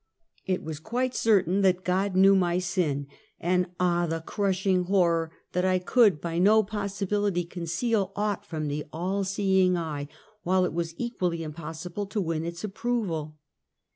It was quite certain I Find Life. 9 that God knew my sin; and all, the crushing horror that 1 could, by no possibility conceal aught from the All seeing Eye, while it was equally impossible to win its approval.